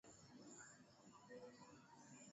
Kawaida huyakutanisha makundi ya vijana na wanawake